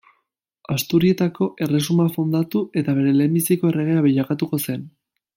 Asturietako Erresuma fundatu eta bere lehenbiziko erregea bilakatuko zen.